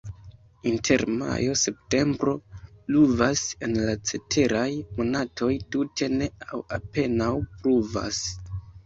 Inter majo-septembro pluvas, en la ceteraj monatoj tute ne aŭ apenaŭ pluvas.